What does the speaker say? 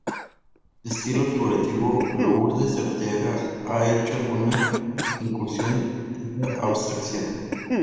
De estilo figurativo Lourdes Arteaga ha hecho alguna incursión en la abstracción.